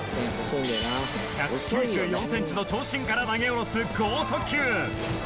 １９４センチの長身から投げ下ろす剛速球。